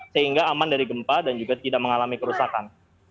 sehingga aman dari gempa dan juga tidak mengalami kerusakan